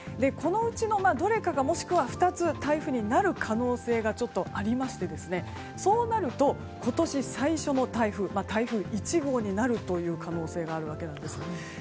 このうちのどれかもしくは２つが台風になる可能性がちょっとありましてそうなると、今年最初の台風台風１号になるという可能性があるわけなんです。